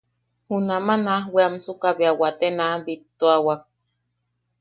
Junamaʼa naaj weamsuka bea waate naaj bittuawa.